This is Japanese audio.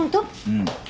うん。